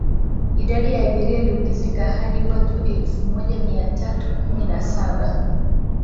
idadi ya abiria iliongezeka hadi watu elfu moja mia tatu kumi na saba